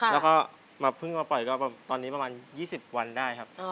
แล้วก็มาเพิ่งมาปล่อยก็ตอนนี้ประมาณ๒๐วันได้ครับ